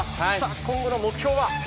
今後の目標は？